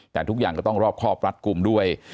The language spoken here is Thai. แต่ทุกอย่างก็ต้องรอบครอบรัดกลุ่มด้วย